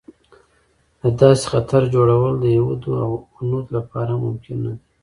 د داسې خطر جوړول د یهود او هنود لپاره هم ممکن نه دی.